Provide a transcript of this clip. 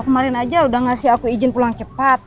kemarin aja udah ngasih aku izin pulang cepat